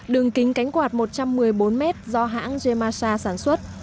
đường kính cánh quạt một trăm một mươi bốn m do hãng gemasha sản xuất